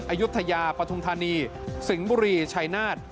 อายุทยาปฐุมธานีสิงห์บุรีชัยนาฏ